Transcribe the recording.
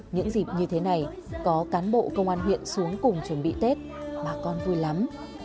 những dịp như thế này có cán bộ công an huyện xuống cùng chuẩn bị tết bà con vui lắm